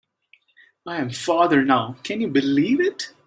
I am father now, can you believe it?